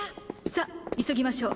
さっ急ぎましょう。